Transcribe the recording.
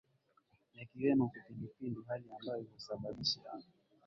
yakiwemo kipindupindu hali ambayo husababisha